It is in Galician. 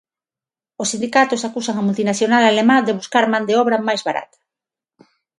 Os sindicatos acusan a multinacional alemá de buscar man de obra máis barata.